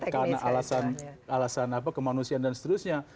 karena alasan kemanusiaan dan seterusnya